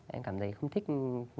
em cảm thấy không thích